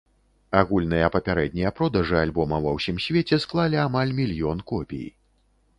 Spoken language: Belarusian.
Агульныя папярэднія продажы альбома ва ўсім свеце склалі амаль мільён копій.